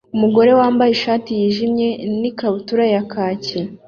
Umugore wambaye ishati yijimye na ikabutura ya khaki